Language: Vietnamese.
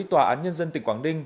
tòa án nhân dân tỉnh quảng ninh